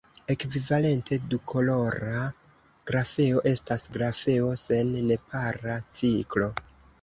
Ekvivalente, dukolora grafeo estas grafeo sen nepara ciklo.